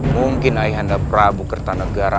mungkin ayahanda prabu kertanegara